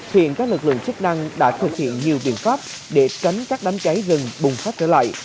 hiện các lực lượng chức năng đã thực hiện nhiều biện pháp để tránh các đám cháy rừng bùng phát trở lại